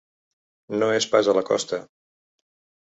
No és pas a la costa.